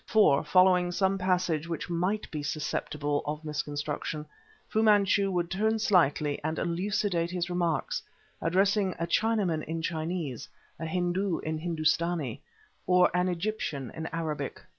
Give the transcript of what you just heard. For, following some passage which might be susceptible of misconstruction, Fu Manchu would turn slightly, and elucidate his remarks, addressing a Chinaman in Chinese, a Hindu in Hindustanee, or an Egyptian in Arabic.